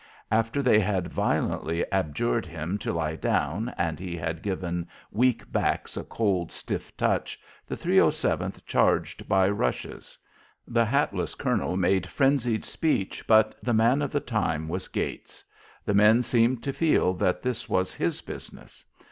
After they had violently adjured him to lie down and he had given weak backs a cold, stiff touch, the 307th charged by rushes. The hatless colonel made frenzied speech, but the man of the time was Gates. The men seemed to feel that this was his business.